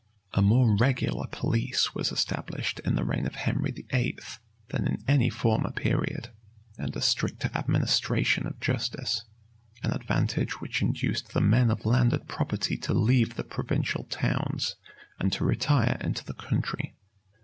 A more regular police was established in the reign of Henry VIII. than in any former period, and a stricter administration of justice; an advantage which induced the men of landed property to leave the provincial towns, and to retire into the country.